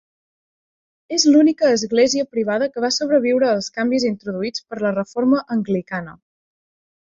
És l'única església privada que va sobreviure als canvis introduïts per la reforma anglicana.